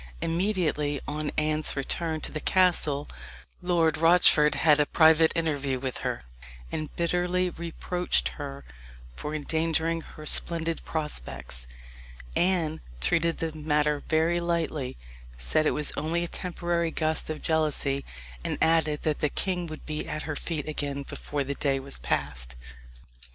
Immediately on Anne's return to the castle Lord Rochford had a private interview with her, and bitterly reproached her for endangering her splendid prospects. Anne treated the matter very lightly said it was only a temporary gust of jealousy and added that the king would be at her feet again before the day was past.